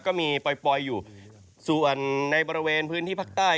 ก็มีปล่อยอยู่ส่วนในบริเวณพื้นที่ภาคใต้